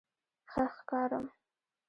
_ښه ښکارم؟